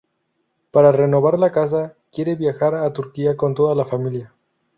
Para renovar la casa, quiere viajar a Turquía con toda la familia.